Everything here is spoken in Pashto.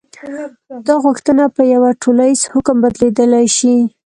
دا غوښتنه په یوه ټولیز حکم بدلېدلی شي.